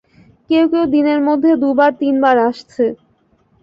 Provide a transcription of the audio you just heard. কেউ-কেউ দিনের মধ্যে দু বার তিন বার আসছে।